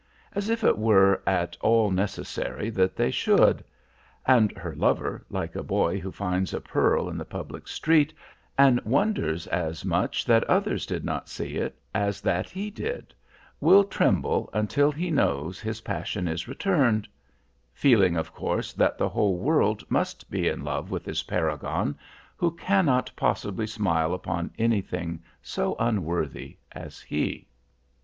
As if it were at all necessary that they should! And her lover, like a boy who finds a pearl in the public street, and wonders as much that others did not see it as that he did, will tremble until he knows his passion is returned; feeling, of course, that the whole world must be in love with this paragon who cannot possibly smile upon anything so unworthy as he."